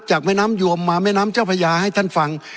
แม่น้ำยวมมาแม่น้ำเจ้าพญาให้ท่านฟัง